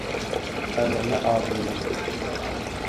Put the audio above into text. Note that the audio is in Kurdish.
Em ê neavînin.